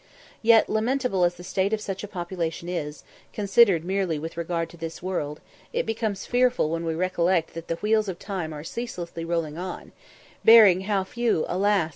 Yet, lamentable as the state of such a population is, considered merely with regard to this world, it becomes fearful when we recollect that the wheels of Time are ceaselessly rolling on, bearing how few, alas!